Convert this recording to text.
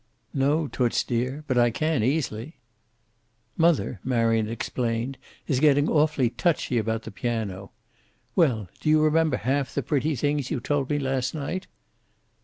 "No, Toots dear. But I can, easily." "Mother," Marion explained, "is getting awfully touchy about the piano. Well, do you remember half the pretty things you told me last night?"